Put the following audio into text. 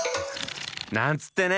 なんつってね！